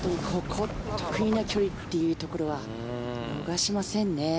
得意な距離というところは逃しませんね。